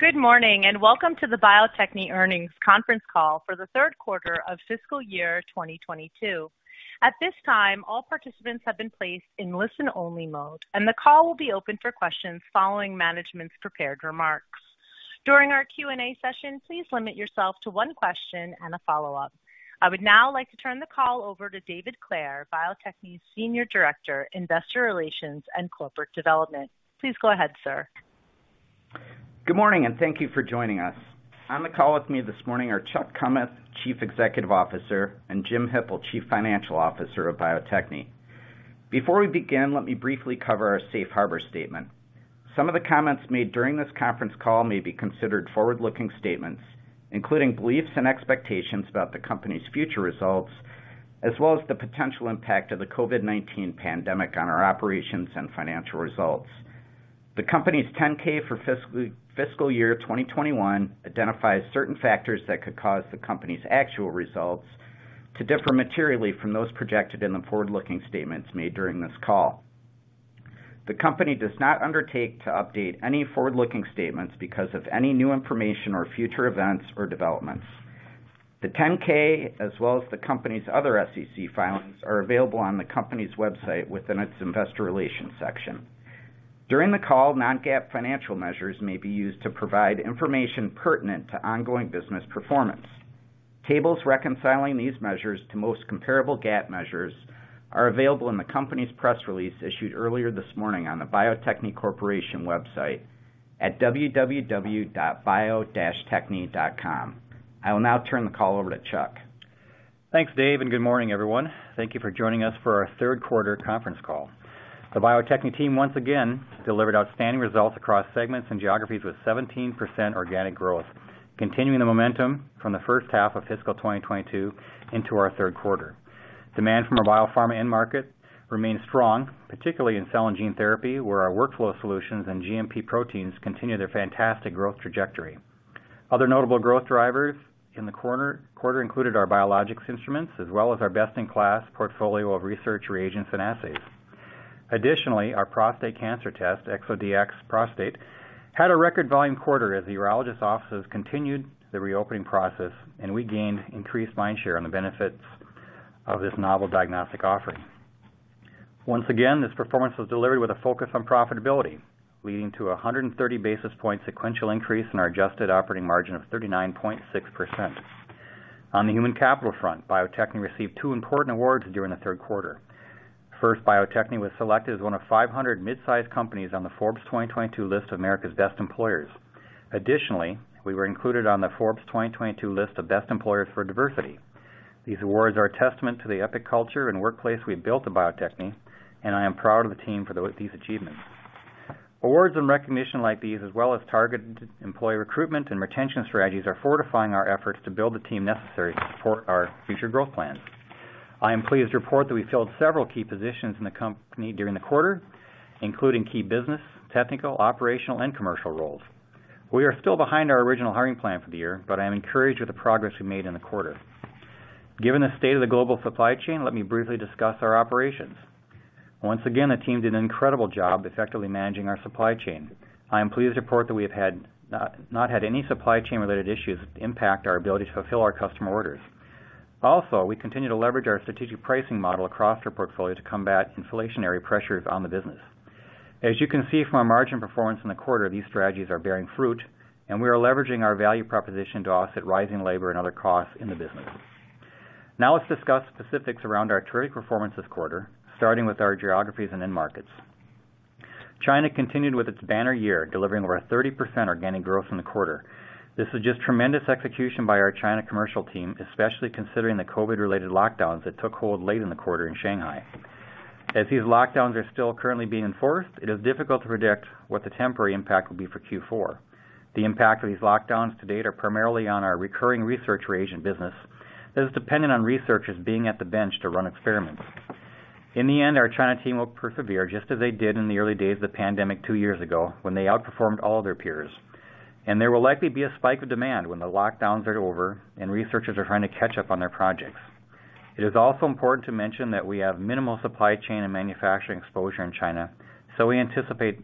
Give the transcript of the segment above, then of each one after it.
Good morning, and welcome to the Bio-Techne Earnings Conference Call for the third quarter of fiscal year 2022. At this time, all participants have been placed in listen-only mode, and the call will be open for questions following management's prepared remarks. During our Q&A session, please limit yourself to one question and a follow-up. I would now like to turn the call over to David Clair, Bio-Techne's Senior Director, Investor Relations and Corporate Development. Please go ahead, sir. Good morning, and thank you for joining us. On the call with me this morning are Chuck Kummeth, Chief Executive Officer, and Jim Hippel, Chief Financial Officer of Bio-Techne. Before we begin, let me briefly cover our safe harbor statement. Some of the comments made during this conference call may be considered forward-looking statements, including beliefs and expectations about the company's future results, as well as the potential impact of the COVID-19 pandemic on our operations and financial results. The company's 10-K for fiscal year 2021 identifies certain factors that could cause the company's actual results to differ materially from those projected in the forward-looking statements made during this call. The company does not undertake to update any forward-looking statements because of any new information or future events or developments. The 10-K, as well as the company's other SEC filings, are available on the company's website within its Investor Relations section. During the call, non-GAAP financial measures may be used to provide information pertinent to ongoing business performance. Tables reconciling these measures to most comparable GAAP measures are available in the company's press release issued earlier this morning on the Bio-Techne Corporation website at www.bio-techne.com. I will now turn the call over to Chuck. Thanks, Dave, and good morning, everyone. Thank you for joining us for our third quarter conference call. The Bio-Techne team once again delivered outstanding results across segments and geographies with 17% organic growth, continuing the momentum from the first half of fiscal 2022 into our third quarter. Demand from our biopharma end market remains strong, particularly in cell and gene therapy, where our workflow solutions and GMP proteins continue their fantastic growth trajectory. Other notable growth drivers in the quarter included our biologics instruments as well as our best-in-class portfolio of research reagents and assays. Additionally, our prostate cancer test, ExoDx Prostate, had a record volume quarter as the urologist offices continued the reopening process and we gained increased mind share on the benefits of this novel diagnostic offering. Once again, this performance was delivered with a focus on profitability, leading to a 130 basis point sequential increase in our adjusted operating margin of 39.6%. On the human capital front, Bio-Techne received two important awards during the third quarter. First, Bio-Techne was selected as one of 500 mid-sized companies on the Forbes 2022 list of America's Best Employers. Additionally, we were included on the Forbes 2022 list of Best Employers for Diversity. These awards are a testament to the epic culture and workplace we've built at Bio-Techne, and I am proud of the team for these achievements. Awards and recognition like these, as well as targeted employee recruitment and retention strategies, are fortifying our efforts to build the team necessary to support our future growth plans. I am pleased to report that we filled several key positions in the company during the quarter, including key business, technical, operational, and commercial roles. We are still behind our original hiring plan for the year, but I am encouraged with the progress we made in the quarter. Given the state of the global supply chain, let me briefly discuss our operations. Once again, the team did an incredible job effectively managing our supply chain. I am pleased to report that we have not had any supply-chain-related issues impact our ability to fulfill our customer orders. Also, we continue to leverage our strategic pricing model across our portfolio to combat inflationary pressures on the business. As you can see from our margin performance in the quarter, these strategies are bearing fruit, and we are leveraging our value proposition to offset rising labor and other costs in the business. Now let's discuss specifics around our trade performance this quarter, starting with our geographies and end markets. China continued with its banner year, delivering over 30% organic growth in the quarter. This is just tremendous execution by our China commercial team, especially considering the COVID-related lockdowns that took hold late in the quarter in Shanghai. As these lockdowns are still currently being enforced, it is difficult to predict what the temporary impact will be for Q4. The impact of these lockdowns to date are primarily on our recurring research reagent business that is dependent on researchers being at the bench to run experiments. In the end, our China team will persevere, just as they did in the early days of the pandemic two years ago when they outperformed all of their peers. There will likely be a spike of demand when the lockdowns are over and researchers are trying to catch up on their projects. It is also important to mention that we have minimal supply chain and manufacturing exposure in China, so we anticipate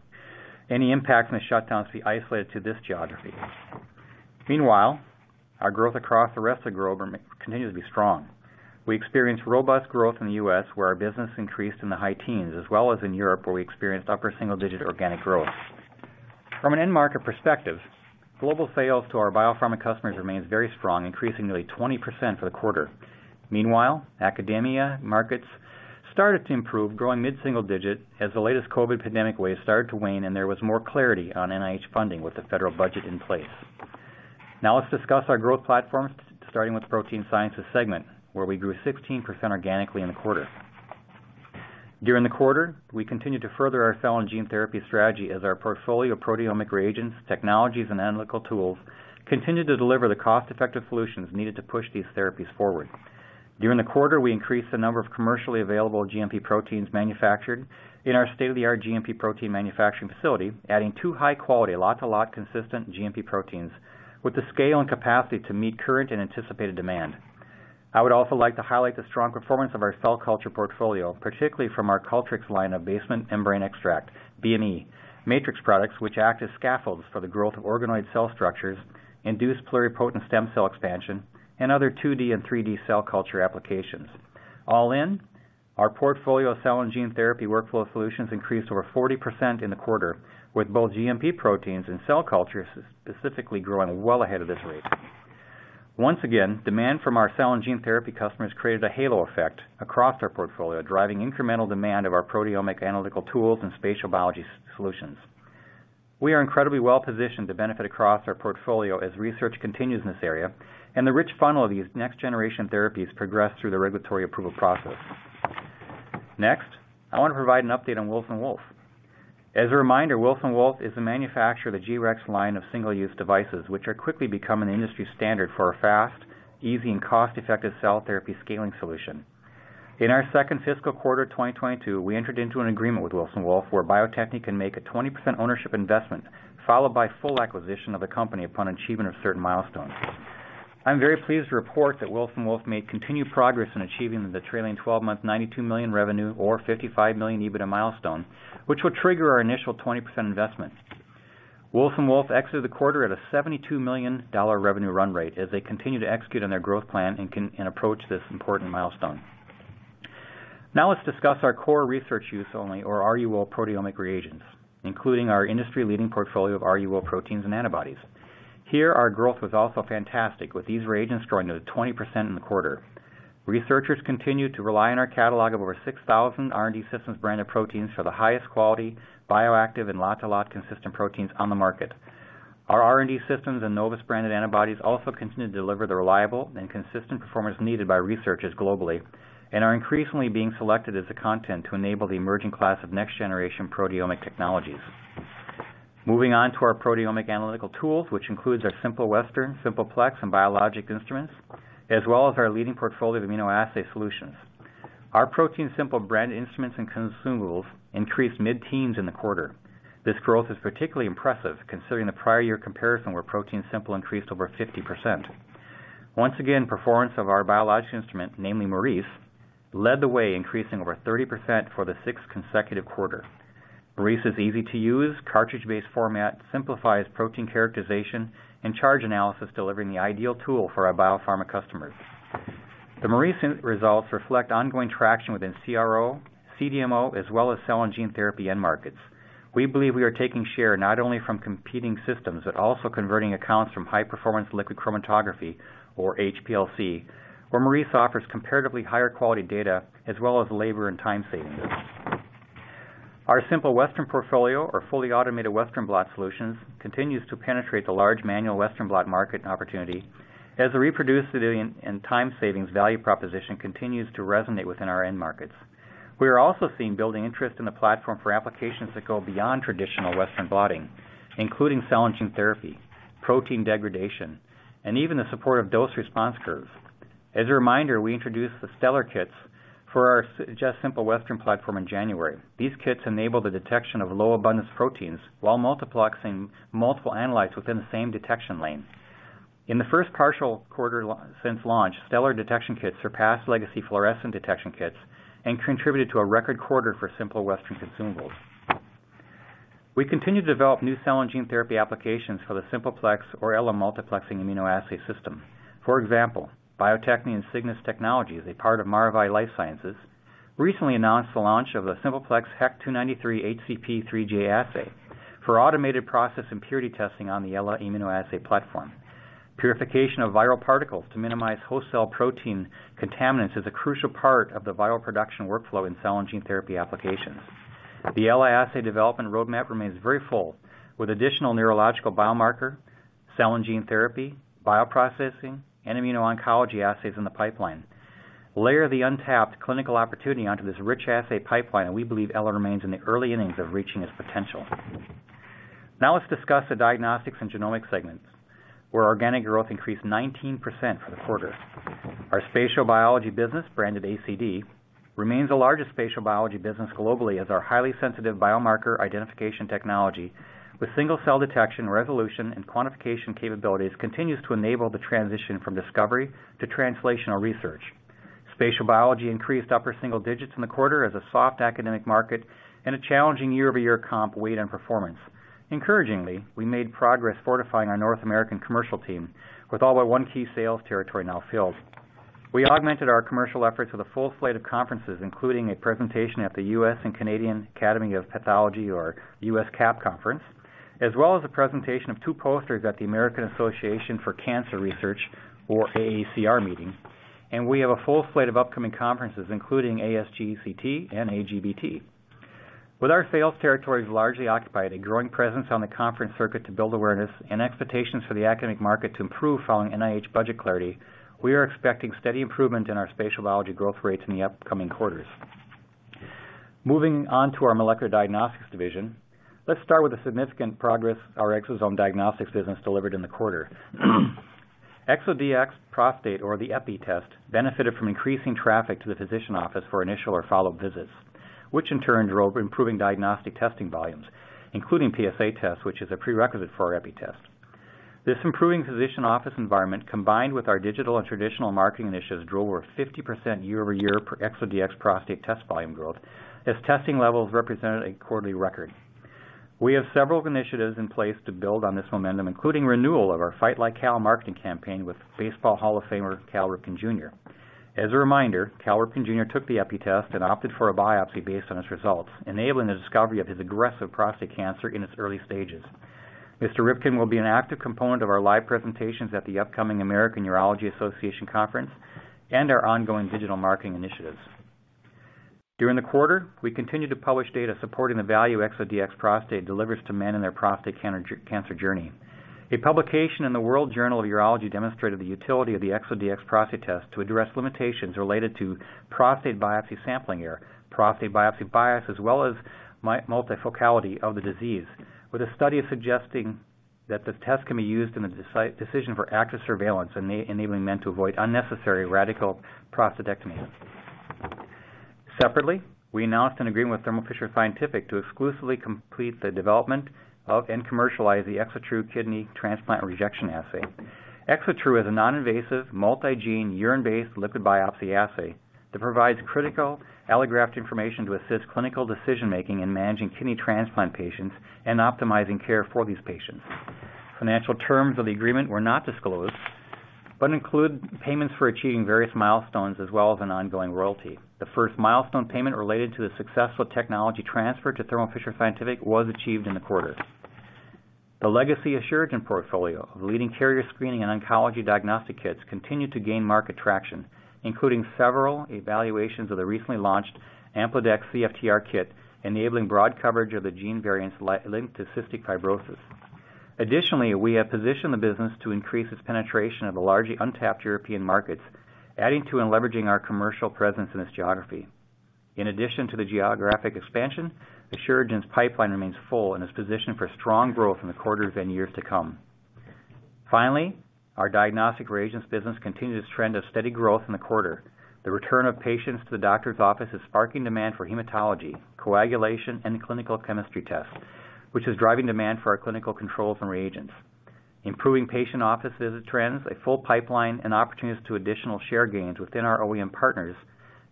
any impact from the shutdowns to be isolated to this geography. Meanwhile, our growth across the rest of the globe continue to be strong. We experienced robust growth in the U.S., where our business increased in the high teens, as well as in Europe, where we experienced upper single digit organic growth. From an end market perspective, global sales to our biopharma customers remains very strong, increasing nearly 20% for the quarter. Meanwhile, academic markets started to improve, growing mid-single-digit % as the latest COVID-19 pandemic wave started to wane and there was more clarity on NIH funding with the federal budget in place. Now let's discuss our growth platforms, starting with protein sciences segment, where we grew 16% organically in the quarter. During the quarter, we continued to further our cell and gene therapy strategy as our portfolio of proteomic reagents, technologies, and analytical tools continued to deliver the cost-effective solutions needed to push these therapies forward. During the quarter, we increased the number of commercially available GMP proteins manufactured in our state-of-the-art GMP protein manufacturing facility, adding 2 high quality lot to lot consistent GMP proteins with the scale and capacity to meet current and anticipated demand. I would also like to highlight the strong performance of our cell culture portfolio, particularly from our Cultrex line of basement membrane extract, BME, matrix products which act as scaffolds for the growth of organoid cell structures, induced pluripotent stem cell expansion, and other 2D and 3D cell culture applications. All in, our portfolio of cell and gene therapy workflow solutions increased over 40% in the quarter, with both GMP proteins and cell cultures specifically growing well ahead of this rate. Once again, demand from our cell and gene therapy customers created a halo effect across our portfolio, driving incremental demand of our proteomic analytical tools and spatial biology solutions. We are incredibly well-positioned to benefit across our portfolio as research continues in this area and the rich funnel of these next generation therapies progress through the regulatory approval process. Next, I want to provide an update on Wilson Wolf. As a reminder, Wilson Wolf is a manufacturer of the G-Rex line of single-use devices, which are quickly becoming an industry standard for a fast, easy and cost-effective cell therapy scaling solution. In our second fiscal quarter 2022, we entered into an agreement with Wilson Wolf where Bio-Techne can make a 20% ownership investment, followed by full acquisition of the company upon achievement of certain milestones. I'm very pleased to report that Wilson Wolf made continued progress in achieving the trailing twelve-month $92 million revenue or $55 million EBITDA milestone, which will trigger our initial 20% investment. Wilson Wolf exited the quarter at a $72 million revenue run rate as they continue to execute on their growth plan and approach this important milestone. Now let's discuss our core research use only or RUO proteomic reagents, including our industry-leading portfolio of RUO proteins and antibodies. Here, our growth was also fantastic, with these reagents growing to 20% in the quarter. Researchers continue to rely on our catalog of over 6,000 R&D Systems-branded proteins for the highest quality, bioactive, and lot-to-lot consistent proteins on the market. Our R&D Systems and Novus Biologicals branded antibodies also continue to deliver the reliable and consistent performance needed by researchers globally and are increasingly being selected as the content to enable the emerging class of next generation proteomic technologies. Moving on to our proteomic analytical tools, which includes our Simple Western, Simple Plex, and biological instruments, as well as our leading portfolio of immunoassay solutions. Our ProteinSimple brand instruments and consumables increased mid-teens in the quarter. This growth is particularly impressive considering the prior year comparison where ProteinSimple increased over 50%. Once again, performance of our biological instrument, namely Maurice, led the way, increasing over 30% for the sixth consecutive quarter. Maurice's easy-to-use, cartridge-based format simplifies protein characterization and charge analysis, delivering the ideal tool for our biopharma customers. The Maurice results reflect ongoing traction within CRO, CDMO, as well as cell and gene therapy end markets. We believe we are taking share not only from competing systems, but also converting accounts from high-performance liquid chromatography, or HPLC, where Maurice offers comparatively higher quality data as well as labor and time savings. Our Simple Western portfolio, or fully automated Western Blot solutions, continues to penetrate the large manual Western Blot market and opportunity as the reproducibility and time savings value proposition continues to resonate within our end markets. We are also seeing building interest in the platform for applications that go beyond traditional Western Blotting, including cell and gene therapy, protein degradation, and even the support of dose response curves. As a reminder, we introduced the Stellar kits for our Jess Simple Western platform in January. These kits enable the detection of low abundance proteins while multiplexing multiple analytes within the same detection lane. In the first partial quarter since launch, Stellar detection kits surpassed legacy fluorescent detection kits and contributed to a record quarter for Simple Western consumables. We continue to develop new cell and gene therapy applications for the Simple Plex or Ella multiplexing immunoassay system. For example, Bio-Techne and Cygnus Technologies, a part of Maravai LifeSciences, recently announced the launch of the Simple Plex HEK293 HCP 3G assay for automated process impurity testing on the Ella immunoassay platform. Purification of viral particles to minimize host cell protein contaminants is a crucial part of the viral production workflow in cell and gene therapy applications. The Ella assay development roadmap remains very full, with additional neurological biomarker, cell and gene therapy, bioprocessing, and immuno-oncology assays in the pipeline. Layer the untapped clinical opportunity onto this rich assay pipeline, and we believe Ella remains in the early innings of reaching its potential. Now let's discuss the diagnostics and genomics segments, where organic growth increased 19% for the quarter. Our spatial biology business, branded ACD, remains the largest spatial biology business globally as our highly sensitive biomarker identification technology with single cell detection, resolution, and quantification capabilities continues to enable the transition from discovery to translational research. Spatial biology increased upper single digits% in the quarter as a soft academic market and a challenging year-over-year comp weighed on performance. Encouragingly, we made progress fortifying our North American commercial team with all but one key sales territory now filled. We augmented our commercial efforts with a full slate of conferences, including a presentation at the United States and Canadian Academy of Pathology, or USCAP conference, as well as a presentation of two posters at the American Association for Cancer Research, or AACR meeting. We have a full slate of upcoming conferences, including ASGCT and AGBT. With our sales territories largely occupied, a growing presence on the conference circuit to build awareness, and expectations for the academic market to improve following NIH budget clarity, we are expecting steady improvement in our spatial biology growth rates in the upcoming quarters. Moving on to our molecular diagnostics division, let's start with the significant progress our Exosome Diagnostics business delivered in the quarter. ExoDx Prostate, or the EPI test, benefited from increasing traffic to the physician office for initial or follow-up visits, which in turn drove improving diagnostic testing volumes, including PSA tests, which is a prerequisite for our EPI test. This improving physician office environment, combined with our digital and traditional marketing initiatives, drove over 50% year-over-year per ExoDx Prostate test volume growth, as testing levels represented a quarterly record. We have several initiatives in place to build on this momentum, including renewal of our Fight Like Cal marketing campaign with Baseball Hall of Famer, Cal Ripken, Jr. As a reminder, Cal Ripken, Jr. took the EPI test and opted for a biopsy based on his results, enabling the discovery of his aggressive prostate cancer in its early stages. Mr. Ripken will be an active component of our live presentations at the upcoming American Urological Association Conference and our ongoing digital marketing initiatives. During the quarter, we continued to publish data supporting the value ExoDx Prostate delivers to men in their prostate cancer journey. A publication in the World Journal of Urology demonstrated the utility of the ExoDx Prostate test to address limitations related to prostate biopsy sampling error, prostate biopsy bias, as well as multifocality of the disease, with a study suggesting that the test can be used in a decision for active surveillance enabling men to avoid unnecessary radical prostatectomies. Separately, we announced an agreement with Thermo Fisher Scientific to exclusively complete the development of and commercialize the ExoTRU Kidney Transplant Rejection Assay. ExoTRU is a non-invasive, multigene, urine-based liquid biopsy assay that provides critical allograft information to assist clinical decision-making in managing kidney transplant patients and optimizing care for these patients. Financial terms of the agreement were not disclosed, but include payments for achieving various milestones, as well as an ongoing royalty. The first milestone payment related to the successful technology transfer to Thermo Fisher Scientific was achieved in the quarter. The legacy of Asuragen portfolio of leading carrier screening and oncology diagnostic kits continued to gain market traction, including several evaluations of the recently launched AmplideX CFTR Kit, enabling broad coverage of the gene variants linked to cystic fibrosis. Additionally, we have positioned the business to increase its penetration of the large untapped European markets, adding to and leveraging our commercial presence in this geography. In addition to the geographic expansion, Asuragen's pipeline remains full and is positioned for strong growth in the quarters and years to come. Finally, our diagnostic reagents business continued its trend of steady growth in the quarter. The return of patients to the doctor's office is sparking demand for hematology, coagulation, and clinical chemistry tests, which is driving demand for our clinical controls and reagents. Improving patient office visit trends, a full pipeline, and opportunities to additional share gains within our OEM partners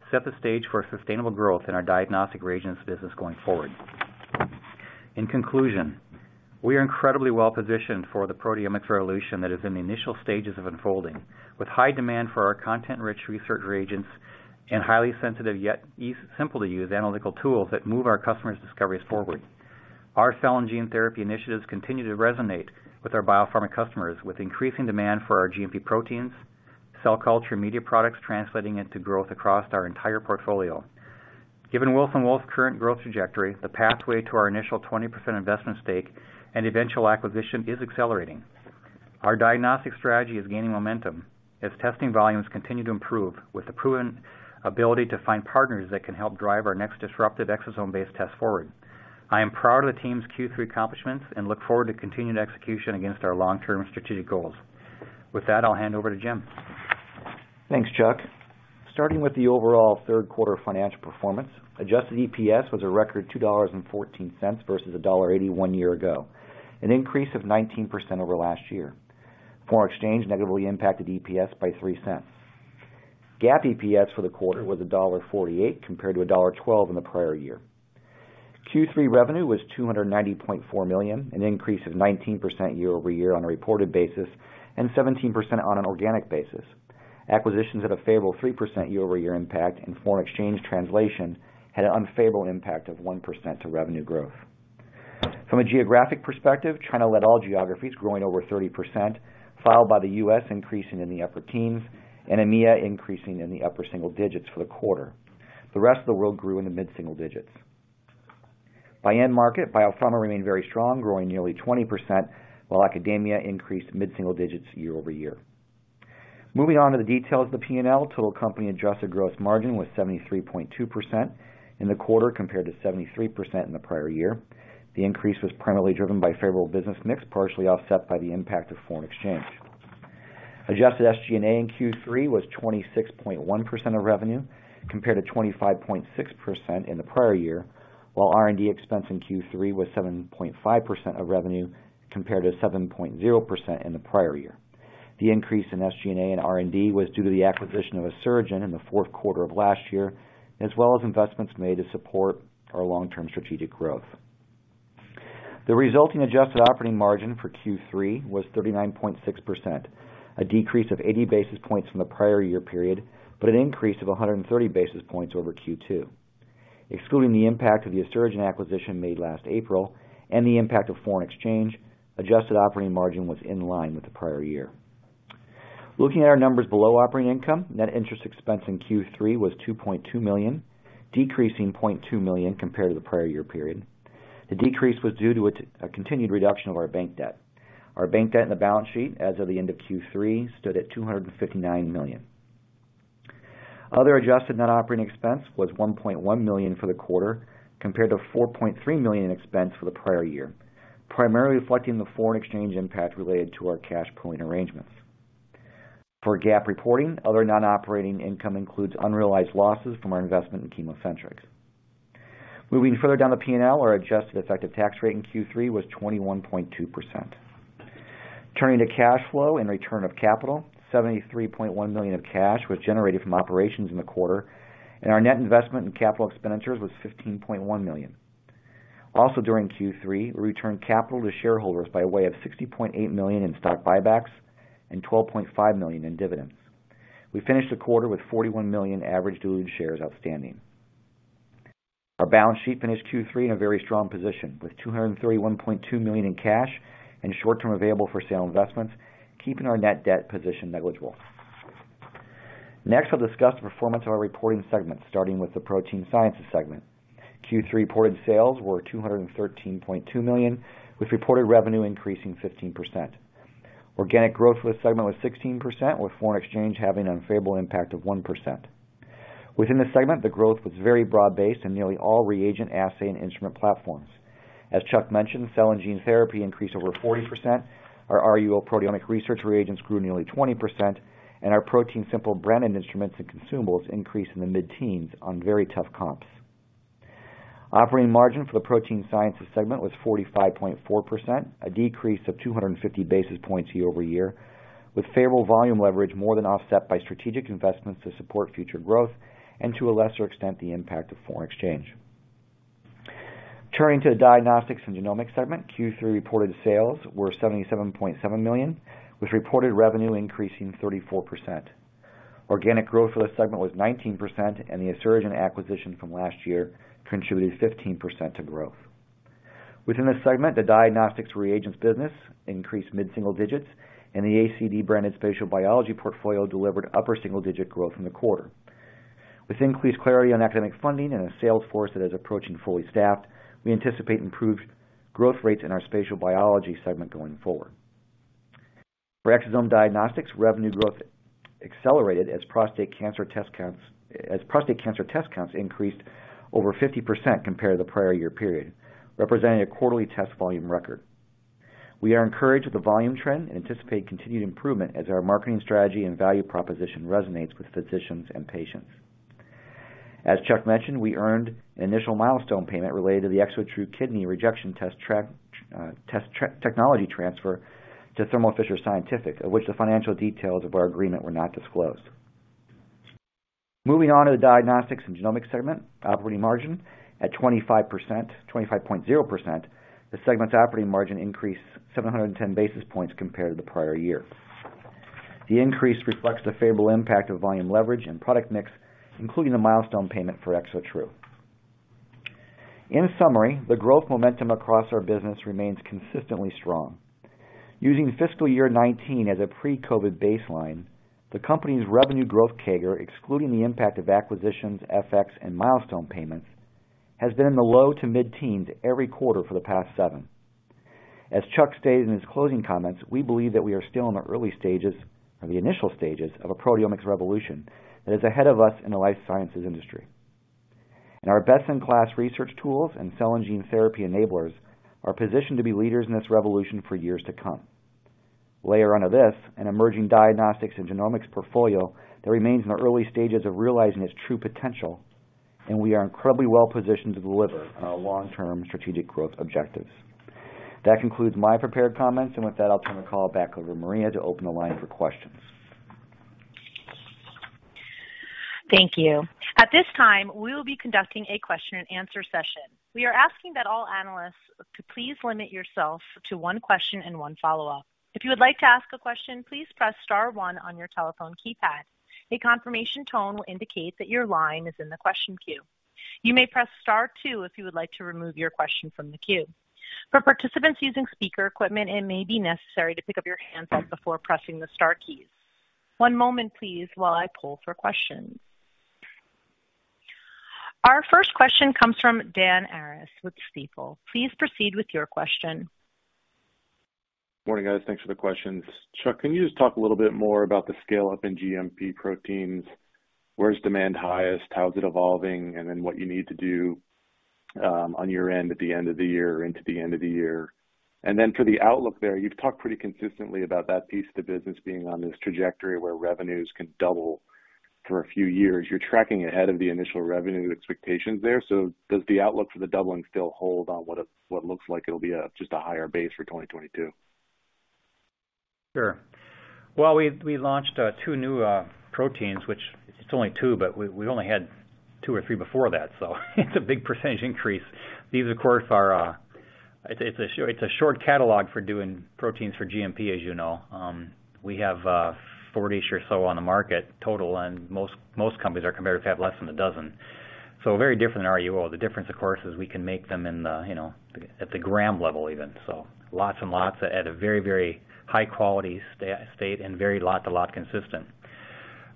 set the stage for sustainable growth in our diagnostic reagents business going forward. In conclusion, we are incredibly well positioned for the proteomics revolution that is in the initial stages of unfolding, with high demand for our content-rich research reagents and highly sensitive, yet simple to use analytical tools that move our customers' discoveries forward. Our cell and gene therapy initiatives continue to resonate with our biopharma customers with increasing demand for our GMP proteins, cell culture, media products translating into growth across our entire portfolio. Given Wilson Wolf's current growth trajectory, the pathway to our initial 20% investment stake and eventual acquisition is accelerating. Our diagnostic strategy is gaining momentum as testing volumes continue to improve, with the prudent ability to find partners that can help drive our next disruptive exosome-based test forward. I am proud of the team's Q3 accomplishments and look forward to continued execution against our long-term strategic goals. With that, I'll hand over to Jim. Thanks, Chuck. Starting with the overall third quarter financial performance, adjusted EPS was a record $2.14 versus $1.81 year ago, an increase of 19% over last year. Foreign exchange negatively impacted EPS by $0.03. GAAP EPS for the quarter was $1.48 compared to $1.12 in the prior year. Q3 revenue was $290.4 million, an increase of 19% year-over-year on a reported basis and 17% on an organic basis. Acquisitions had a favorable 3% year-over-year impact, and foreign exchange translation had an unfavorable impact of 1% to revenue growth. From a geographic perspective, China led all geographies, growing over 30%, followed by the U.S., increasing in the upper teens, and EMEA increasing in the upper single digits for the quarter. The rest of the world grew in the mid-single digits. By end market, biopharma remained very strong, growing nearly 20%, while academia increased mid-single digits year-over-year. Moving on to the details of the P&L, total company adjusted gross margin was 73.2% in the quarter compared to 73% in the prior year. The increase was primarily driven by favorable business mix, partially offset by the impact of foreign exchange. Adjusted SG&A in Q3 was 26.1% of revenue compared to 25.6% in the prior year, while R&D expense in Q3 was 7.5% of revenue compared to 7.0% in the prior year. The increase in SG&A and R&D was due to the acquisition of Asuragen in the fourth quarter of last year, as well as investments made to support our long-term strategic growth. The resulting adjusted operating margin for Q3 was 39.6%, a decrease of 80 basis points from the prior year period, but an increase of 130 basis points over Q2. Excluding the impact of the Asuragen acquisition made last April and the impact of foreign exchange, adjusted operating margin was in line with the prior year. Looking at our numbers below operating income, net interest expense in Q3 was $2.2 million, decreasing $0.2 million compared to the prior year period. The decrease was due to a continued reduction of our bank debt. Our bank debt in the balance sheet as of the end of Q3 stood at $259 million. Other adjusted net operating expense was $1.1 million for the quarter compared to $4.3 million in expense for the prior year, primarily reflecting the foreign exchange impact related to our cash pooling arrangements. For GAAP reporting, other non-operating income includes unrealized losses from our investment in ChemoCentryx. Moving further down the P&L, our adjusted effective tax rate in Q3 was 21.2%. Turning to cash flow and return of capital, $73.1 million of cash was generated from operations in the quarter, and our net investment in capital expenditures was $15.1 million. Also, during Q3, we returned capital to shareholders by way of $60.8 million in stock buybacks and $12.5 million in dividends. We finished the quarter with 41 million average diluted shares outstanding. Our balance sheet finished Q3 in a very strong position, with $231.2 million in cash and short-term available for sale investments, keeping our net debt position negligible. Next, I'll discuss the performance of our reporting segment, starting with the protein sciences segment. Q3 reported sales were $213.2 million, with reported revenue increasing 15%. Organic growth for the segment was 16%, with foreign exchange having an unfavorable impact of 1%. Within the segment, the growth was very broad-based in nearly all reagent, assay, and instrument platforms. As Chuck mentioned, cell and gene therapy increased over 40%, our RUO proteomic research reagents grew nearly 20%, and our ProteinSimple branded instruments and consumables increased in the mid-teens on very tough comps. Operating margin for the protein sciences segment was 45.4%, a decrease of 250 basis points year-over-year, with favorable volume leverage more than offset by strategic investments to support future growth and, to a lesser extent, the impact of foreign exchange. Turning to the diagnostics and genomics segment, Q3 reported sales were $77.7 million, with reported revenue increasing 34%. Organic growth for the segment was 19%, and the Asuragen acquisition from last year contributed 15% to growth. Within the segment, the diagnostics reagents business increased mid-single digits, and the ACD branded spatial biology portfolio delivered upper single-digit growth in the quarter. With increased clarity on academic funding and a sales force that is approaching fully staffed, we anticipate improved growth rates in our spatial biology segment going forward. For Exosome Diagnostics, revenue growth accelerated as prostate cancer test counts increased over 50% compared to the prior year period, representing a quarterly test volume record. We are encouraged with the volume trend and anticipate continued improvement as our marketing strategy and value proposition resonates with physicians and patients. As Chuck mentioned, we earned initial milestone payment related to the ExoTRU kidney rejection test technology transfer to Thermo Fisher Scientific, of which the financial details of our agreement were not disclosed. Moving on to the diagnostics and genomics segment operating margin. At 25%, 25.0%, the segment's operating margin increased 710 basis points compared to the prior year. The increase reflects the favorable impact of volume leverage and product mix, including the milestone payment for ExoTRU. In summary, the growth momentum across our business remains consistently strong. Using fiscal year 2019 as a pre-COVID baseline, the company's revenue growth CAGR, excluding the impact of acquisitions, FX, and milestone payments, has been in the low to mid-teens every quarter for the past 7. As Chuck stated in his closing comments, we believe that we are still in the early stages or the initial stages of a proteomics revolution that is ahead of us in the life sciences industry. Our best-in-class research tools and cell and gene therapy enablers are positioned to be leaders in this revolution for years to come. Layer onto this an emerging diagnostics and genomics portfolio that remains in the early stages of realizing its true potential, and we are incredibly well positioned to deliver on our long-term strategic growth objectives. That concludes my prepared comments, and with that, I'll turn the call back over to Maria to open the line for questions. Thank you. At this time, we will be conducting a question-and-answer session. We are asking that all analysts to please limit yourself to one question and one follow-up. If you would like to ask a question, please press star one on your telephone keypad. A confirmation tone will indicate that your line is in the question queue. You may press star two if you would like to remove your question from the queue. For participants using speaker equipment, it may be necessary to pick up your handset before pressing the star keys. One moment, please, while I poll for questions. Our first question comes from Dan Arias with Stifel. Please proceed with your question. Morning, guys. Thanks for the questions. Chuck, can you just talk a little bit more about the scale up in GMP proteins? Where's demand highest? How is it evolving? And then what you need to do on your end at the end of the year or into the end of the year. And then for the outlook there, you've talked pretty consistently about that piece of the business being on this trajectory where revenues can double for a few years. You're tracking ahead of the initial revenue expectations there. Does the outlook for the doubling still hold on what it looks like it'll be a just a higher base for 2022? Sure. Well, we launched two new proteins, which is only two, but we only had two or three before that. It's a big percentage increase. These, of course, are. It's a short catalog for doing proteins for GMP, as you know. We have 40-ish or so on the market total, and most companies, our competitors, have less than a dozen. Very different in RUO. The difference, of course, is we can make them in the, you know, at the gram level even. Lots and lots at a very high-quality state and very lot-to-lot consistent.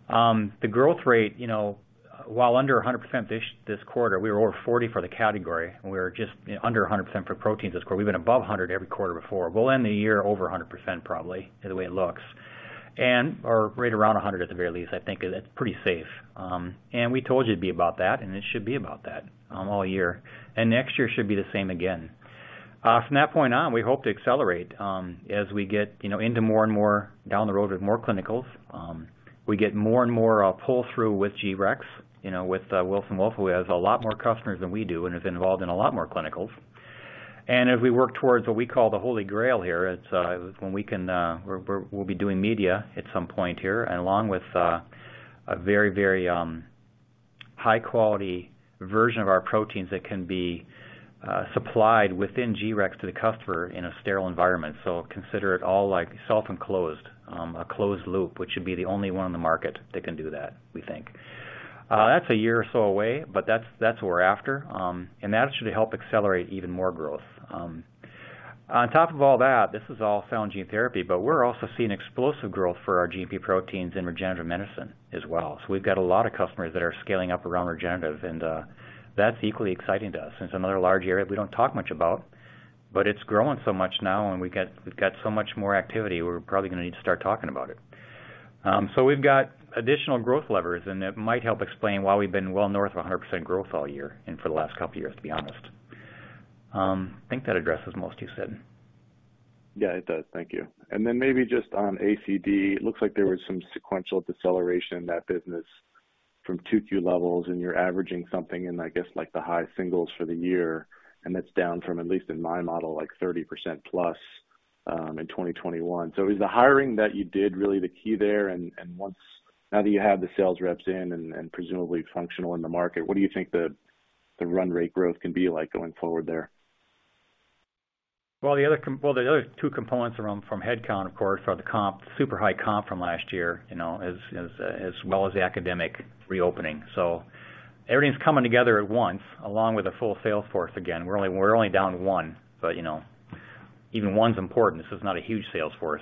The growth rate, you know, while under 100% this quarter, we were over 40% for the category, and we were just under 100% for proteins this quarter. We've been above 100% every quarter before. We'll end the year over 100% probably, the way it looks, and/or right around 100% at the very least, I think. It's pretty safe. We told you it'd be about that, and it should be about that, all year. Next year should be the same again. From that point on, we hope to accelerate, as we get, you know, into more and more down the road with more clinicals, we get more and more pull through with G-Rex, you know, with Wilson Wolf, who has a lot more customers than we do and is involved in a lot more clinicals. As we work towards what we call the Holy Grail here, it's when we can, we'll be doing media at some point here, and along with a very high quality version of our proteins that can be supplied within G-Rex to the customer in a sterile environment. Consider it all like self-enclosed, a closed loop, which should be the only one in the market that can do that, we think. That's a year or so away, but that's what we're after. That should help accelerate even more growth. On top of all that, this is all cell and gene therapy, but we're also seeing explosive growth for our GP proteins in regenerative medicine as well. We've got a lot of customers that are scaling up around regenerative, and that's equally exciting to us. It's another large area we don't talk much about, but it's growing so much now and we've got so much more activity, we're probably gonna need to start talking about it. We've got additional growth levers, and it might help explain why we've been well north of 100% growth all year and for the last couple of years, to be honest. I think that addresses most of what you said. Yeah, it does. Thank you. Maybe just on ACD, it looks like there was some sequential deceleration in that business from two key levels, and you're averaging something in, I guess, like the high singles for the year, and that's down from, at least in my model, like 30% plus in 2021. Is the hiring that you did really the key there? Now that you have the sales reps in and presumably functional in the market, what do you think the run rate growth can be like going forward there? The other two components are from headcount, of course, are the comp, super high comp from last year, you know, as well as the academic reopening. Everything's coming together at once, along with a full sales force again. We're only down one, but, you know, even one's important. This is not a huge sales force,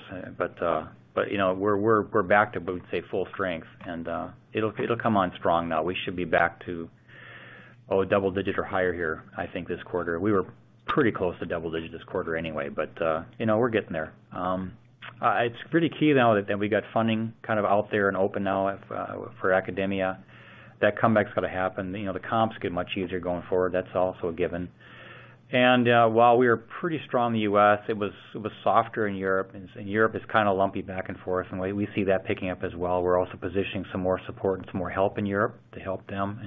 but, you know, we're back to, we would say, full strength and, it'll come on strong now. We should be back to double digit or higher here, I think this quarter. We were pretty close to double digit this quarter anyway, but, you know, we're getting there. It's pretty key now that we got funding kind of out there and open now if for academia, that comeback's gonna happen. You know, the comps get much easier going forward. That's also a given. While we were pretty strong in the U.S., it was softer in Europe, and so Europe is kinda lumpy back and forth, and we see that picking up as well. We're also positioning some more support and some more help in Europe to help them.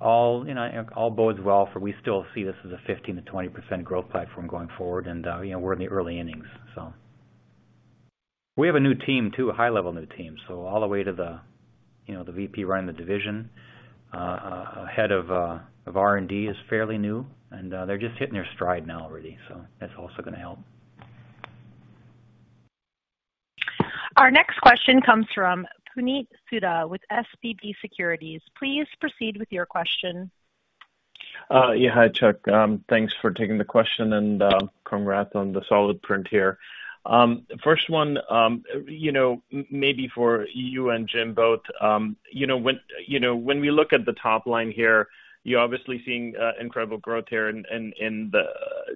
All, you know, bodes well, for we still see this as a 15%-20% growth platform going forward. You know, we're in the early innings. We have a new team too, a high-level new team. All the way to the, you know, the VP running the division, head of R&D is fairly new, and they're just hitting their stride now already, so that's also gonna help. Our next question comes from Puneet Souda with SVB Securities. Please proceed with your question. Yeah. Hi, Chuck. Thanks for taking the question and congrats on the solid print here. First one, you know, maybe for you and Jim both. You know, when we look at the top line here, you're obviously seeing incredible growth here in the,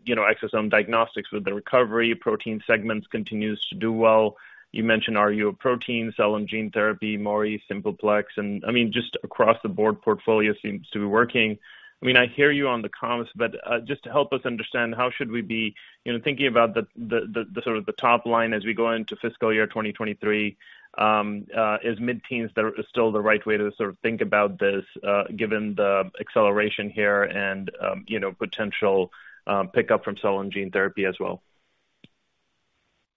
you know, Exosome Diagnostics with the recovery, protein segments continues to do well. You mentioned RUO proteins, cell and gene therapy, Maurice, Simple Plex, and, I mean, just across the board portfolio seems to be working. I mean, I hear you on the comps, but just to help us understand, how should we be, you know, thinking about the sort of the top line as we go into fiscal year 2023? Is mid-teens still the right way to sort of think about this, given the acceleration here and, you know, potential pickup from cell and gene therapy as well?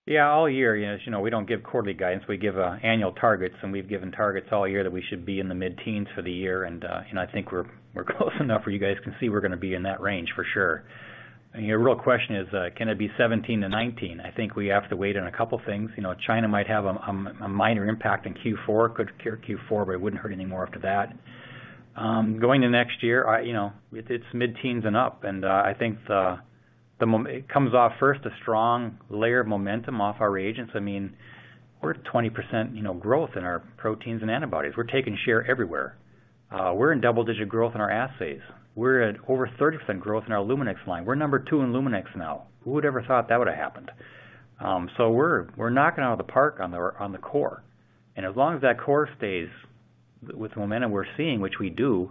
Yeah. All year, as you know, we don't give quarterly guidance, we give annual targets, and we've given targets all year that we should be in the mid-teens for the year. I think we're close enough where you guys can see we're gonna be in that range for sure. You know, real question is, can it be 17-19? I think we have to wait on a couple things. You know, China might have a minor impact in Q4. Could cure Q4, but it wouldn't hurt any more after that. Going to next year, you know, it's mid-teens and up, and I think the momentum comes off first, a strong layer of momentum off our reagents. I mean, we're at 20% growth in our proteins and antibodies. We're taking share everywhere. We're in double-digit growth in our assays. We're at over 30% growth in our Luminex line. We're number two in Luminex now. Who would ever thought that would have happened? We're knocking out of the park on the core. As long as that core stays with the momentum we're seeing, which we do,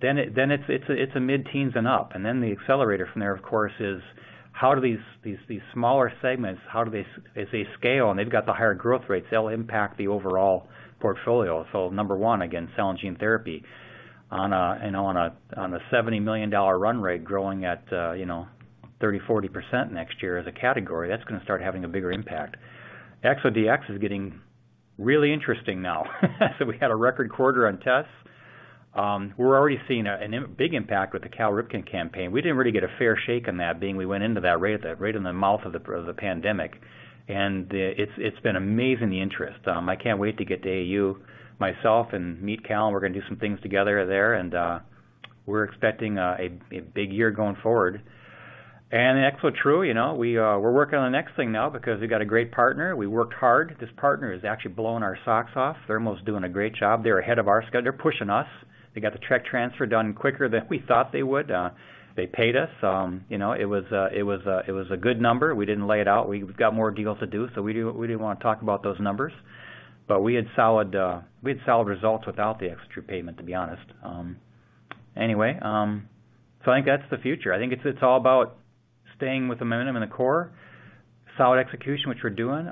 then it's a mid-teens and up. Then the accelerator from there, of course, is how do these smaller segments, how do they as they scale and they've got the higher growth rates, they'll impact the overall portfolio. Number one, again, cell and gene therapy on a $70 million run rate growing at you know, 30, 40% next year as a category, that's gonna start having a bigger impact. ExoDx is getting really interesting now. We had a record quarter on tests. We're already seeing a big impact with the Cal Ripken campaign. We didn't really get a fair shake on that, being we went into that right in the mouth of the pandemic. It's been amazing, the interest. I can't wait to get to AUA myself and meet Cal, and we're gonna do some things together there. We're expecting a big year going forward. ExoTRU, we're working on the next thing now because we've got a great partner. We worked hard. This partner is actually blowing our socks off. Thermo Fisher is doing a great job. They're ahead of our schedule. They're pushing us. They got the tech transfer done quicker than we thought they would. They paid us. You know, it was a good number. We didn't lay it out. We've got more deals to do, so we didn't wanna talk about those numbers. We had solid results without the extra payment, to be honest. Anyway, I think that's the future. I think it's all about staying with the minimum in the core, solid execution, which we're doing.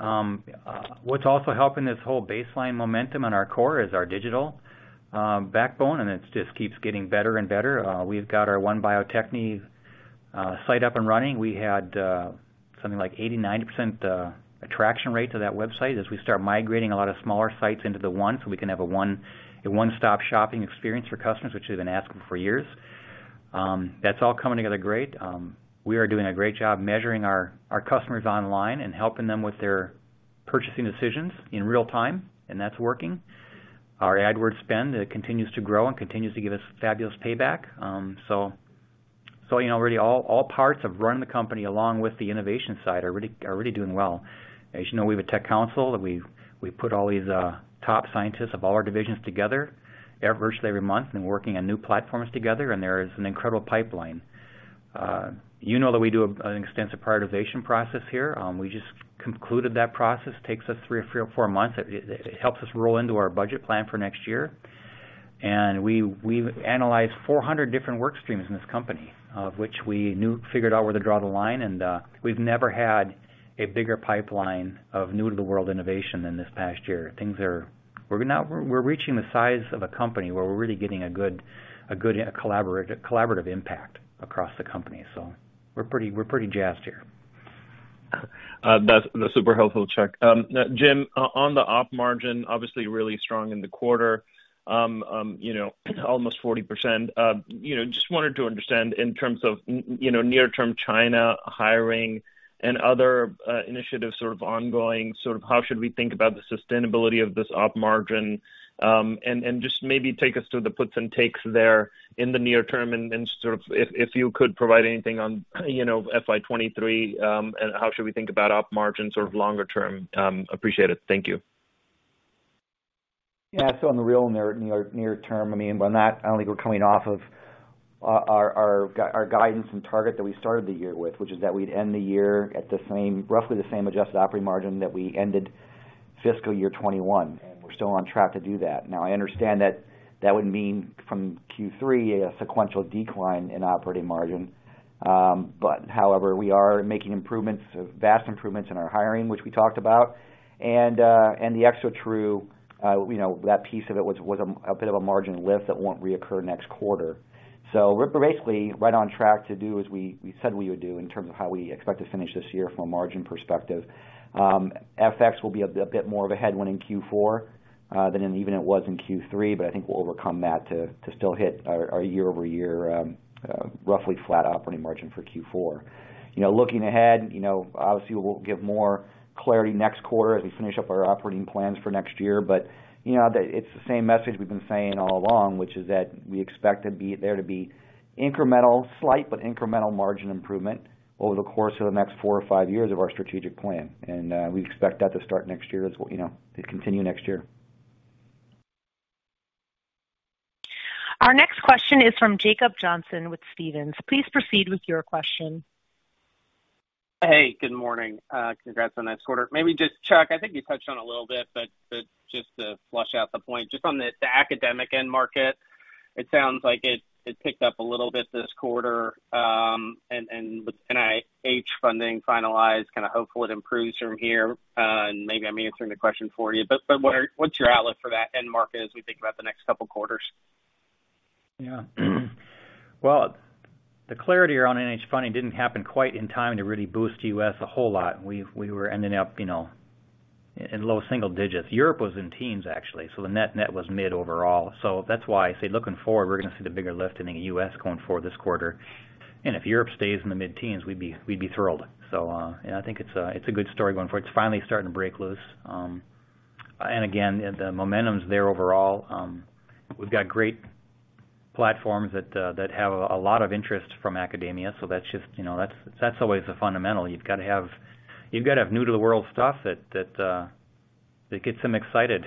What's also helping this whole baseline momentum in our core is our digital backbone, and it just keeps getting better and better. We've got our One Bio-Techne site up and running. We had something like 80%-90% attraction rate to that website as we start migrating a lot of smaller sites into the one, so we can have a one-stop shopping experience for customers, which they've been asking for years. That's all coming together great. We are doing a great job measuring our customers online and helping them with their purchasing decisions in real time, and that's working. Our AdWords spend continues to grow and continues to give us fabulous payback. So you know, really all parts of running the company along with the innovation side are really doing well. As you know, we have a tech council that we've put all these top scientists of all our divisions together virtually every month and working on new platforms together, and there is an incredible pipeline. You know that we do an extensive prioritization process here. We just concluded that process. It takes us three or four months. It helps us roll into our budget plan for next year. We've analyzed 400 different work streams in this company, of which we figured out where to draw the line, and we've never had a bigger pipeline of new-to-the-world innovation than this past year. Things are. We're reaching the size of a company where we're really getting a good collaborative impact across the company. We're pretty jazzed here. That's super helpful, Chuck. Now Jim, on the op margin, obviously really strong in the quarter, you know, almost 40%. You know, just wanted to understand in terms of you know, near-term China hiring and other initiatives sort of ongoing, sort of how should we think about the sustainability of this op margin? And just maybe take us through the puts and takes there in the near term and sort of if you could provide anything on, you know, FY 2023, and how should we think about op margin sort of longer term? Appreciate it. Thank you. Yeah. In the very near term, by that, I think we're coming off of our guidance and target that we started the year with, which is that we'd end the year at the same, roughly the same adjusted operating margin that we ended fiscal year 2021, and we're still on track to do that. Now, I understand that that would mean from Q3 a sequential decline in operating margin. However, we are making improvements, vast improvements in our hiring, which we talked about. The ExoTRU, that piece of it was a bit of a margin lift that won't reoccur next quarter. We're basically right on track to do as we said we would do in terms of how we expect to finish this year from a margin perspective. FX will be a bit more of a headwind in Q4 than even it was in Q3, but I think we'll overcome that to still hit our year-over-year roughly flat operating margin for Q4. You know, looking ahead, you know, obviously, we'll give more clarity next quarter as we finish up our operating plans for next year. You know, it's the same message we've been saying all along, which is that we expect there to be incremental, slight, but incremental margin improvement over the course of the next four or five years of our strategic plan. We expect that to start next year, you know, to continue next year. Our next question is from Jacob Johnson with Stephens. Please proceed with your question. Hey, good morning. Congrats on this quarter. Maybe just, Chuck, I think you touched on it a little bit, but just to flesh out the point, just on the academic end market, it sounds like it picked up a little bit this quarter, and with NIH funding finalized, kind of hopeful it improves from here. Maybe I'm answering the question for you, but what's your outlook for that end market as we think about the next couple quarters? Yeah. Well, the clarity around NIH funding didn't happen quite in time to really boost U.S. a whole lot. We were ending up, you know, in low single digits. Europe was in teens, actually, so the net net was mid overall. That's why I say looking forward, we're gonna see the bigger lift in the U.S. going forward this quarter. If Europe stays in the mid-teens, we'd be thrilled. Yeah, I think it's a good story going forward. It's finally starting to break loose. Again, the momentum's there overall. We've got great platforms that have a lot of interest from academia, so that's just, you know, that's always a fundamental. You've gotta have new-to-the-world stuff that gets them excited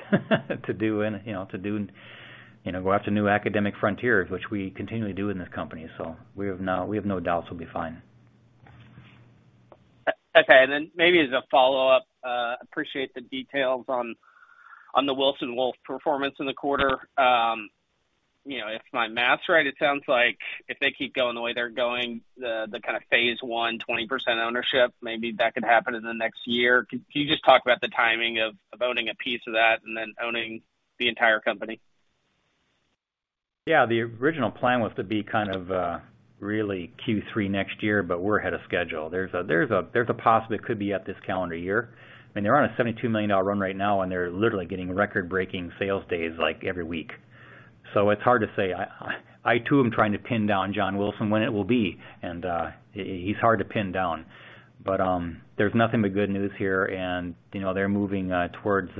to do, you know, go after new academic frontiers, which we continually do in this company. We have no doubts we'll be fine. Okay. Then maybe as a follow-up, appreciate the details on the Wilson Wolf performance in the quarter. You know, if my math's right, it sounds like if they keep going the way they're going, the kind of phase I, 20% ownership, maybe that could happen in the next year. Can you just talk about the timing of owning a piece of that and then owning the entire company? Yeah. The original plan was to be kind of really Q3 next year. We're ahead of schedule. There's a possibility it could be at this calendar year. I mean, they're on a $72 million run right now, and they're literally getting record-breaking sales days, like, every week. It's hard to say. I too am trying to pin down John Wilson when it will be, and he's hard to pin down. There's nothing but good news here, and, you know, they're moving towards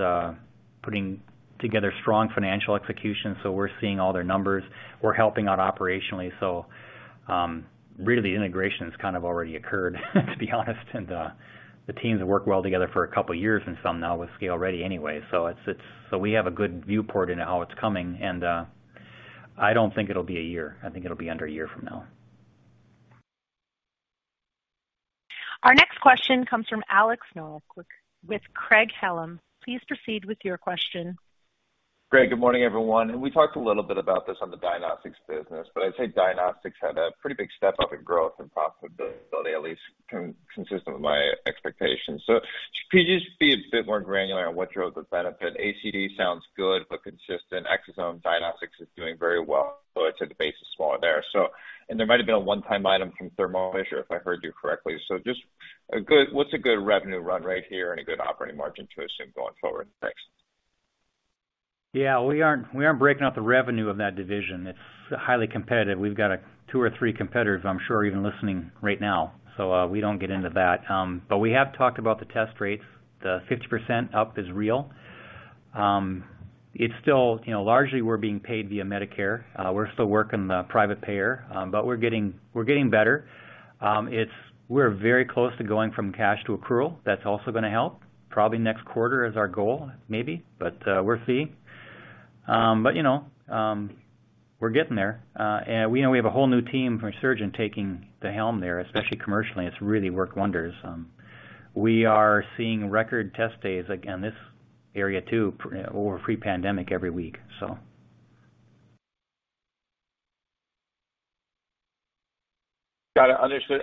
putting together strong financial execution. We're seeing all their numbers. We're helping out operationally. Really the integration has kind of already occurred, to be honest, and the teams have worked well together for a couple years in some now with ScaleReady anyway. We have a good visibility into how it's coming, and I don't think it'll be a year. I think it'll be under a year from now. Our next question comes from Alex Nowak with Craig-Hallum. Please proceed with your question. Craig, good morning, everyone. We talked a little bit about this on the diagnostics business, but I'd say diagnostics had a pretty big step up in growth and profitability, at least consistent with my expectations. Could you just be a bit more granular on what drove the benefit? ACD sounds good, but consistent. Exosome Diagnostics is doing very well, so I'd say the base is smaller there. There might have been a one-time item from Thermo Fisher, if I heard you correctly. Just a good, what's a good revenue run rate here and a good operating margin to assume going forward? Thanks. Yeah, we aren't breaking out the revenue of that division. It's highly competitive. We've got two or three competitors, I'm sure, even listening right now. We don't get into that. But we have talked about the test rates. The 50% up is real. It's still, you know, largely we're being paid via Medicare. We're still working the private payer, but we're getting better. We're very close to going from cash to accrual. That's also gonna help. Probably next quarter is our goal, maybe. We'll see. You know, we're getting there. We know we have a whole new team from Asuragen taking the helm there, especially commercially. It's really worked wonders. We are seeing record test days, again, this area too, pre-pandemic every week, so. Got it, understood.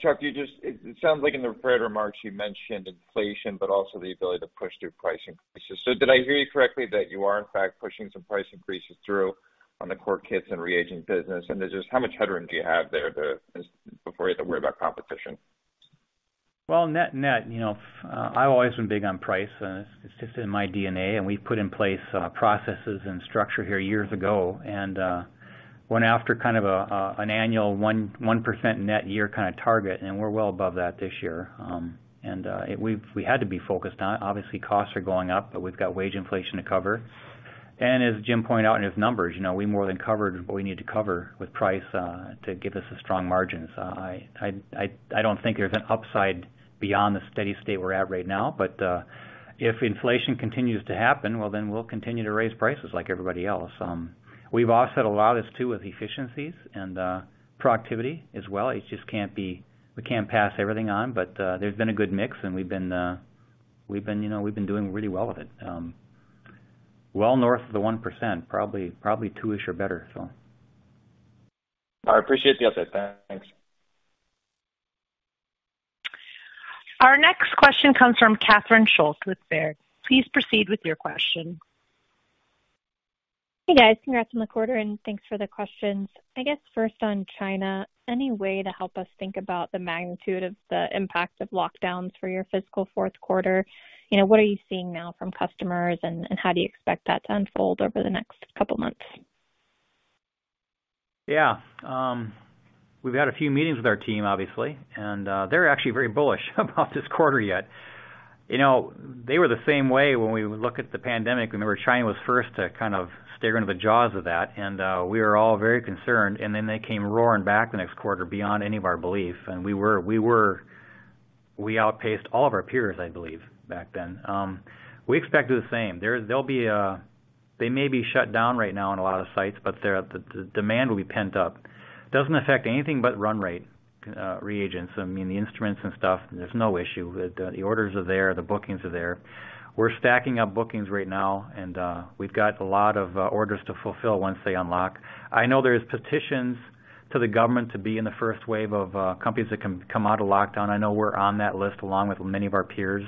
Chuck, you just, it sounds like in the prepared remarks you mentioned inflation, but also the ability to push through price increases. Did I hear you correctly that you are in fact pushing some price increases through on the core kits and reagents business? Just how much headroom do you have there before you have to worry about competition? Well, net-net, you know, I've always been big on price. It's just in my DNA, and we've put in place processes and structure here years ago, and went after kind of an annual 1% net year kinda target, and we're well above that this year. We had to be focused on it. Obviously, costs are going up, but we've got wage inflation to cover. As Jim pointed out in his numbers, you know, we more than covered what we need to cover with price to give us the strong margins. I don't think there's an upside beyond the steady state we're at right now, but if inflation continues to happen, well, then we'll continue to raise prices like everybody else. We've offset a lot of this too, with efficiencies and productivity as well. We can't pass everything on, but there's been a good mix, and we've been, you know, doing really well with it. Well north of 1%, probably two-ish or better, so. I appreciate the update. Thanks. Our next question comes from Catherine Schulte with Baird. Please proceed with your question. Hey, guys. Congrats on the quarter, and thanks for the questions. I guess first on China, any way to help us think about the magnitude of the impact of lockdowns for your fiscal fourth quarter? You know, what are you seeing now from customers, and how do you expect that to unfold over the next couple months? Yeah. We've had a few meetings with our team, obviously, and they're actually very bullish about this quarter yet. You know, they were the same way when we would look at the pandemic. Remember, China was first to kind of stare into the jaws of that, and we were all very concerned, and then they came roaring back the next quarter beyond any of our belief. We outpaced all of our peers, I believe, back then. We expect the same. They'll be. They may be shut down right now in a lot of sites, but the demand will be pent up. Doesn't affect anything but run rate reagents. I mean, the instruments and stuff, there's no issue. The orders are there, the bookings are there. We're stacking up bookings right now, and we've got a lot of orders to fulfill once they unlock. I know there's petitions to the government to be in the first wave of companies that can come out of lockdown. I know we're on that list, along with many of our peers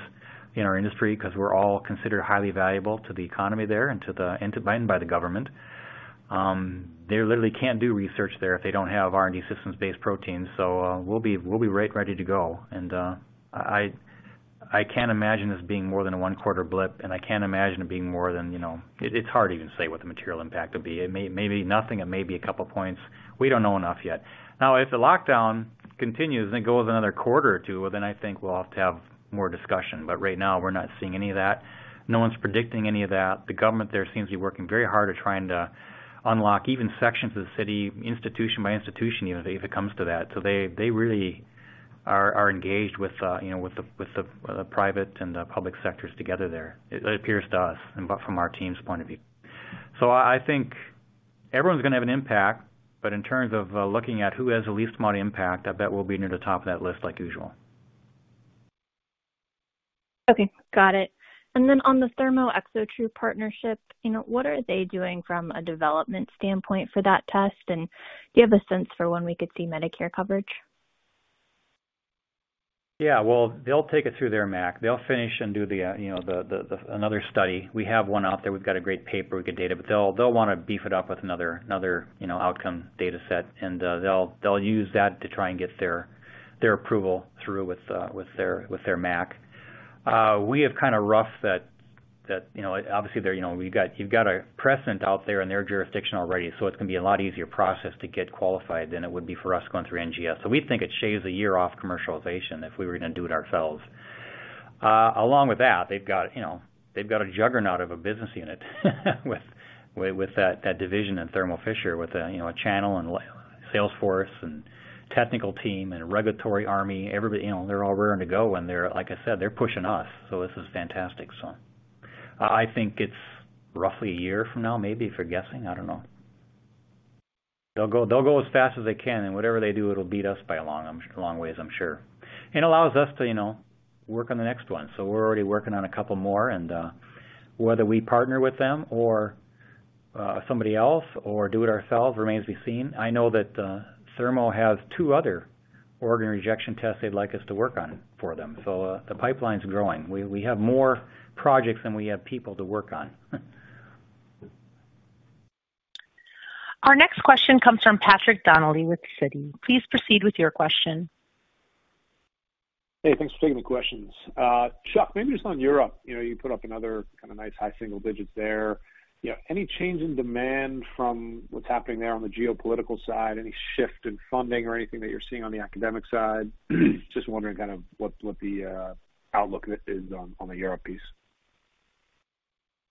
in our industry, 'cause we're all considered highly valuable to the economy there and by the government. They literally can't do research there if they don't have R&D Systems-based proteins. So we'll be right ready to go. I can't imagine this being more than a one-quarter blip, and I can't imagine it being more than, you know. It's hard to even say what the material impact would be. It may be nothing, it may be a couple points. We don't know enough yet. Now, if the lockdown continues and goes another quarter or two, well, then I think we'll have to have more discussion. Right now, we're not seeing any of that. No one's predicting any of that. The government there seems to be working very hard at trying to unlock even sections of the city, institution by institution even, if it comes to that. They really are engaged with you know, with the private and the public sectors together there. It appears to us from our team's point of view. I think everyone's gonna have an impact, but in terms of looking at who has the least amount of impact, I bet we'll be near the top of that list like usual. Okay. Got it. On the Thermo ExoTRU partnership, you know, what are they doing from a development standpoint for that test? Do you have a sense for when we could see Medicare coverage? Yeah. Well, they'll take it through their MAC. They'll finish and do another study. We have one out there. We've got a great paper with good data, but they'll wanna beef it up with another outcome data set, and they'll use that to try and get their approval through with their MAC. We have kinda roughed that, obviously you've got a precedent out there in their jurisdiction already, so it's gonna be a lot easier process to get qualified than it would be for us going through NGS. We think it shaves a year off commercialization if we were gonna do it ourselves. Along with that, they've got a juggernaut of a business unit with that division in Thermo Fisher with a channel and Salesforce and technical team and a regulatory army. Everybody, you know, they're all raring to go, and like I said, they're pushing us, so this is fantastic. I think it's roughly a year from now, maybe, if you're guessing. I don't know. They'll go as fast as they can, and whatever they do, it'll beat us by a long ways, I'm sure. It allows us to work on the next one. We're already working on a couple more, and whether we partner with them or somebody else or do it ourselves remains to be seen. I know that Thermo has two other organ rejection tests they'd like us to work on for them. The pipeline's growing. We have more projects than we have people to work on. Our next question comes from Patrick Donnelly with Citi. Please proceed with your question. Hey, thanks for taking the questions. Chuck, maybe just on Europe. You know, you put up another kind of nice high single digits there. You know, any change in demand from what's happening there on the geopolitical side? Any shift in funding or anything that you're seeing on the academic side? Just wondering kind of what the outlook is on the Europe piece.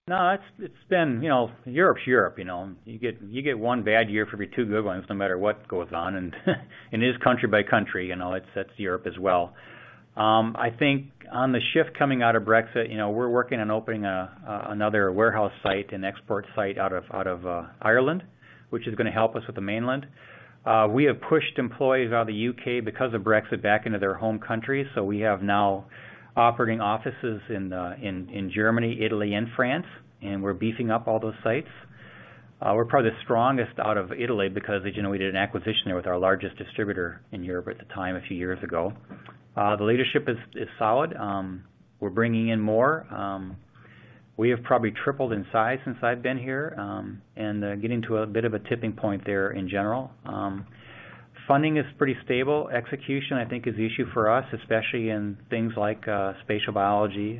No, it's been. You know, Europe's Europe, you know. You get one bad year for every two good ones no matter what goes on. It is country by country, you know. It hits Europe as well. I think on the shift coming out of Brexit, you know, we're working on opening another warehouse site and export site out of Ireland, which is gonna help us with the mainland. We have pushed employees out of the U.K. because of Brexit back into their home countries, so we have now operating offices in Germany, Italy, and France, and we're beefing up all those sites. We're probably the strongest out of Italy because as you know we did an acquisition there with our largest distributor in Europe at the time a few years ago. The leadership is solid. We're bringing in more. We have probably tripled in size since I've been here, and getting to a bit of a tipping point there in general. Funding is pretty stable. Execution, I think is the issue for us, especially in things like spatial biology.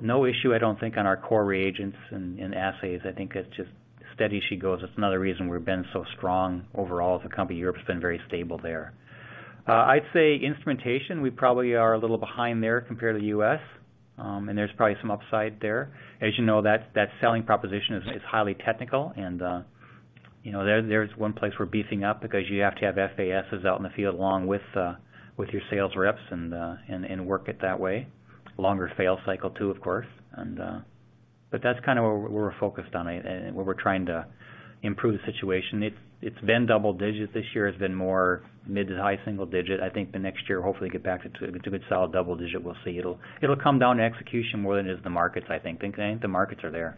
No issue, I don't think, on our core reagents and assays. I think it's just steady as she goes. It's another reason we've been so strong overall as a company. Europe's been very stable there. I'd say instrumentation, we probably are a little behind there compared to the U.S., and there's probably some upside there. As you know, that selling proposition is highly technical, and you know, there's one place we're beefing up because you have to have FASs out in the field along with your sales reps and work it that way. Longer sales cycle too, of course. But that's kind of where we're focused on and where we're trying to improve the situation. It's been double-digit. This year has been more mid- to high-single-digit. I think the next year, hopefully get back to a good solid double-digit. We'll see. It'll come down to execution more than it is the markets, I think. The markets are there.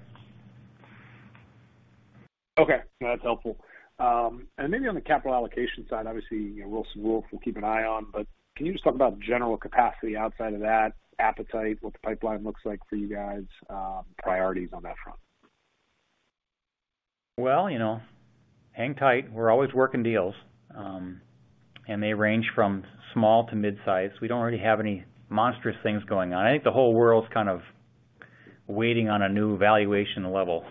Okay. No, that's helpful. Maybe on the capital allocation side, obviously, you know, Wilson Wolf will keep an eye on, but can you just talk about general capacity outside of that, appetite, what the pipeline looks like for you guys, priorities on that front? Well, you know, hang tight. We're always working deals, and they range from small to mid-size. We don't really have any monstrous things going on. I think the whole world's kind of waiting on a new valuation level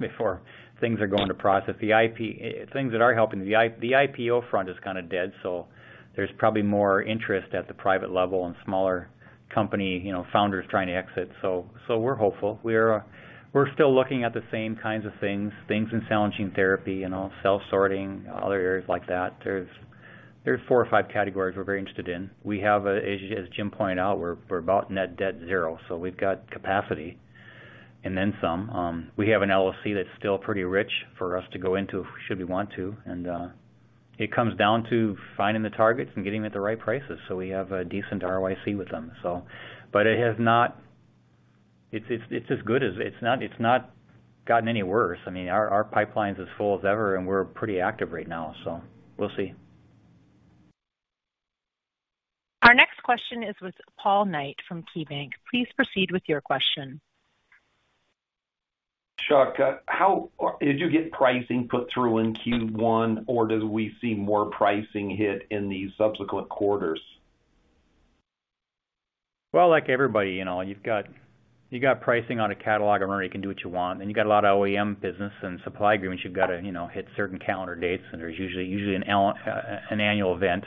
before things are going to process. The IPO front is kind of dead, so there's probably more interest at the private level and smaller company, you know, founders trying to exit. We're hopeful. We're still looking at the same kinds of things in cell and gene therapy, you know, cell sorting, other areas like that. There's four or five categories we're very interested in. As Jim pointed out, we're about net debt zero, so we've got capacity and then some. We have an LLC that's still pretty rich for us to go into should we want to. It comes down to finding the targets and getting them at the right prices, so we have a decent ROIC with them. It has not gotten any worse. I mean, our pipeline's as full as ever, and we're pretty active right now, so we'll see. Our next question is with Paul Knight from KeyBanc. Please proceed with your question. Chuck, did you get pricing put through in Q1, or do we see more pricing hit in the subsequent quarters? Well, like everybody, you know, you've got pricing on a catalog, remember, you can do what you want. You've got a lot of OEM business and supply agreements you've gotta, you know, hit certain calendar dates, and there's usually an annual event.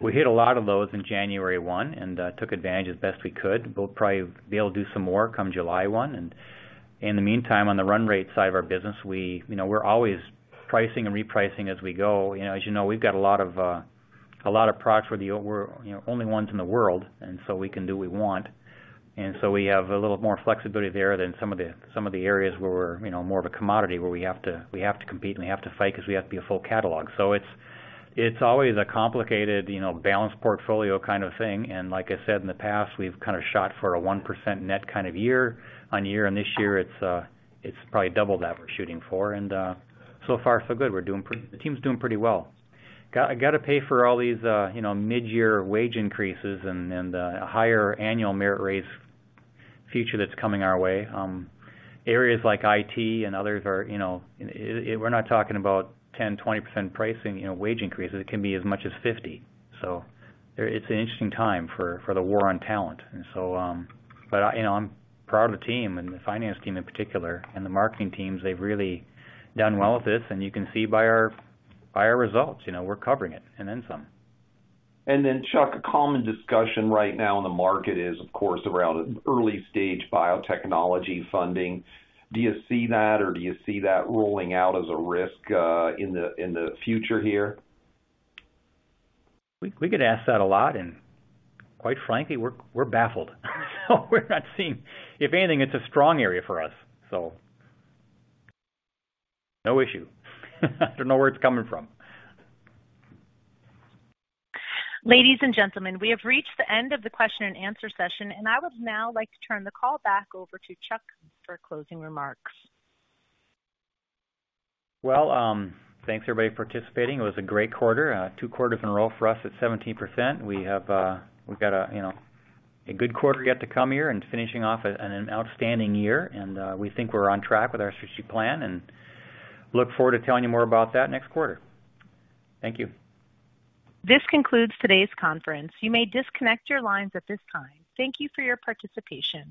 We hit a lot of those in January 1, and took advantage as best we could. We'll probably be able to do some more come July 1. In the meantime, on the run rate side of our business, we, you know, we're always pricing and repricing as we go. You know, as you know, we've got a lot of products where we're, you know, only ones in the world, and so we can do what we want. We have a little more flexibility there than some of the areas where we're more of a commodity, where we have to compete and we have to fight 'cause we have to be a full catalog. It's always a complicated balanced portfolio kind of thing. Like I said, in the past, we've kind of shot for a 1% net kind of year-over-year, and this year it's probably double that we're shooting for, and so far so good. The team's doing pretty well. Gotta pay for all these mid-year wage increases and higher annual merit raise feature that's coming our way. Areas like IT and others are. We're not talking about 10-20% pricing, you know, wage increases. It can be as much as 50. It's an interesting time for the war on talent. You know, I'm proud of the team and the finance team in particular and the marketing teams. They've really done well with this, and you can see by our results, you know, we're covering it and then some. Chuck, a common discussion right now in the market is, of course, around early-stage biotechnology funding. Do you see that rolling out as a risk in the future here? We get asked that a lot, and quite frankly, we're baffled. We're not seeing. If anything, it's a strong area for us. No issue. Don't know where it's coming from. Ladies and gentlemen, we have reached the end of the question and answer session, and I would now like to turn the call back over to Chuck for closing remarks. Well, thanks everybody for participating. It was a great quarter. Two quarters in a row for us at 17%. We've got a, you know, a good quarter yet to come here and finishing off an outstanding year. We think we're on track with our strategy plan and look forward to telling you more about that next quarter. Thank you. This concludes today's conference. You may disconnect your lines at this time. Thank you for your participation.